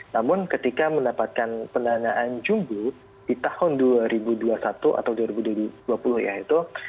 namun ketika mendapatkan pendanaan jumbo di tahun dua ribu dua puluh satu atau dua ribu dua puluh yaitu